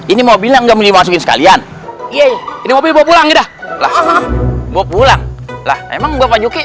ini mau bilang gak mau dimasukin sekalian ya ini mau pulang ya dah lah emang bapak juki